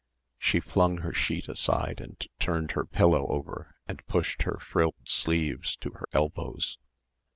She flung her sheet aside and turned her pillow over and pushed her frilled sleeves to her elbows.